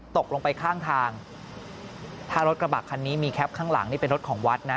ตกลงไปข้างทางถ้ารถกระบะคันนี้มีแคปข้างหลังนี่เป็นรถของวัดนะ